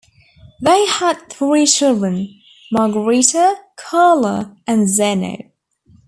They had three children, Margareta, Carla, and Zeno.